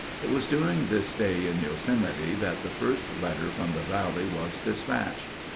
It was during this stay in Yosemite that the first letter from the valley was dispatched.